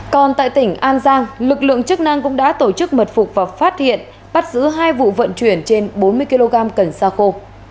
còn tại tỉnh an giang lực lượng chức năng cũng đã tổ chức mật phục và phát hiện bắt giữ hai vụ vận chuyển trên bốn mươi kg cần xa khô